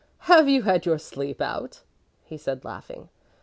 ] "Have you had your sleep out?" he said laughing.